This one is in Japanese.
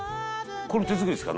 「これ手作りですか？